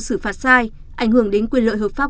xử phạt sai ảnh hưởng đến quyền lợi hợp pháp